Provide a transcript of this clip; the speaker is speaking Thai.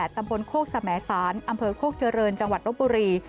ตำบลโคกสมสารอำเภอโคกเจริญจังหวัดรบบุรี